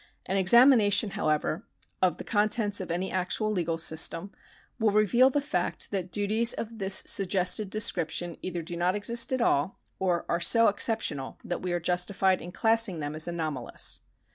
An examination, however, of the contents of any actual legal system will reveal the fact that duties of this suggested description either do not exist at all, or are so exceptional that we are justified in classing them as anomalous.